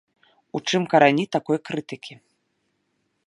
У чым карані такой крытыкі?